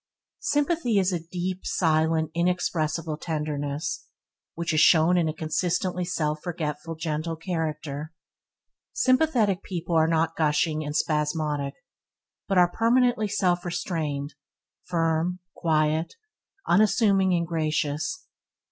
Sympathy is a deep, silent, inexpressible tenderness which is shown in a consistently self forgetful gentle character. Sympathetic people are not gushing and spasmodic, but are permanently self restrained, firm, quiet, unassuming and gracious.